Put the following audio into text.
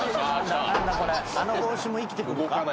あの帽子も生きてくるか？」